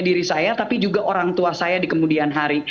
diri saya tapi juga orang tua saya di kemudian hari